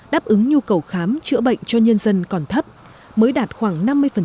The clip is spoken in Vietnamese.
đáp ứng nhu cầu khám chữa bệnh cho nhân dân còn thấp mới đạt khoảng năm mươi